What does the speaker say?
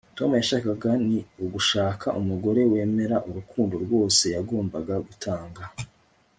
Tom yashakaga ni ugushaka umugore wemera urukundo rwose yagombaga gutanga